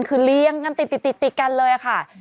คือเลี้ยงกันติดกันเลยค่ะ